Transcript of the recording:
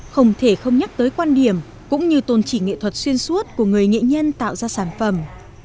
không thể không nhắc tới quan điểm cũng như tôn chỉ nghệ thuật xuyên suốt của người nghệ nhân tạo ra sản phẩm